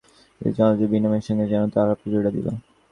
চারি দিকের ছোটোখাটো গৃহসজ্জাগুলি বিনয়ের সঙ্গে যেন আলাপ জুড়িয়া দিল।